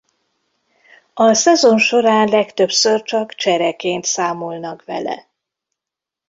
A szezon során legtöbbször csak csereként számolnak vele.